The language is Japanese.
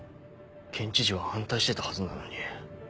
県知事は反対してたはずなのに。